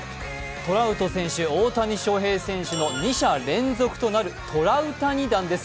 トラウト選手、大谷翔平選手の２者連続となるトラウタニ弾です。